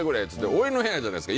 俺の部屋じゃないですか。